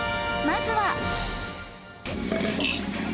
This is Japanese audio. ［まずは］